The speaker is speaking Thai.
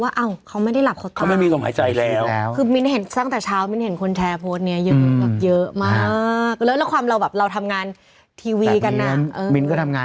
ก็เข้าใจว่านอนหลับจนทั้งยาวข้ามไปเวลาอย่างขึ้นอ่ะ